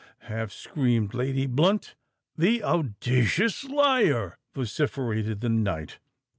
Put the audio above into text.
half screamed Lady Blunt. "The audacious liar!" vociferated the knight.